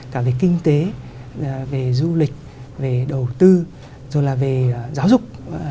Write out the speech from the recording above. cả về kinh tế về du lịch về đầu tư rồi là về giáo dục